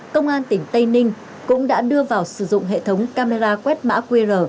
công an tỉnh tây ninh cũng đã đưa vào sử dụng hệ thống camera quét mã qr